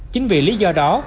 chính vì lý do đó